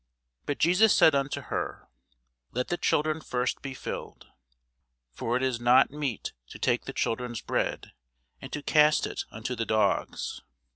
But Jesus said unto her, Let the children first be filled: for it is not meet to take the children's bread, and to cast it unto the dogs.